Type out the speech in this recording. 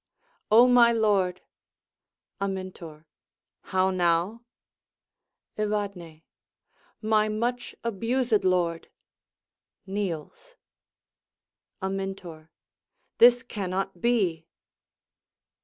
_] O my lord! Amintor How now? Evadne My much abused lord! [Kneels.] Amintor This cannot be!